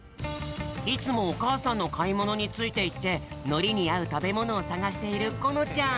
いつもおかあさんのかいものについていってのりにあうたべものをさがしているこのちゃん！